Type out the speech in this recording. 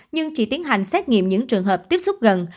nhưng chỉ tiến hành xét nghiệm những trường hợp tiếp xúc gần